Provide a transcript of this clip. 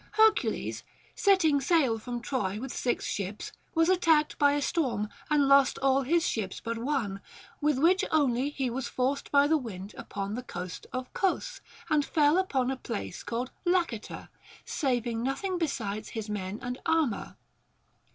Hercules, setting sail from Troy with six ships, was attacked by a storm, and lost all his ships but one, with which only he was forced by the wind upon the coast of Cos, and fell upon a place called Laceter, saving nothing besides his men and armor.